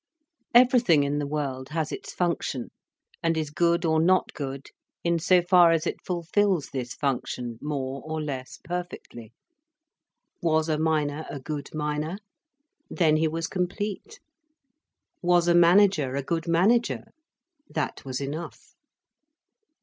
Everything in the world has its function, and is good or not good in so far as it fulfils this function more or less perfectly. Was a miner a good miner? Then he was complete. Was a manager a good manager? That was enough.